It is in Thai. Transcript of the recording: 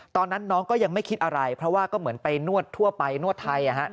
ตอนนั้นน้องก็ยังไม่คิดอะไรเพราะว่าก็เหมือนไปนวดทั่วไปนวดไทย